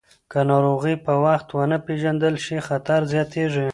که ناروغي په وخت ونه پیژندل شي، خطر زیاتېږي.